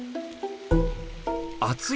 熱い？